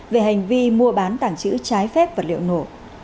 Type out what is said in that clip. về hành vi mua bán tảng chữ trái phép vật liệu nổ